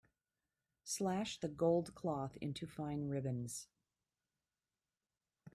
Slash the gold cloth into fine ribbons.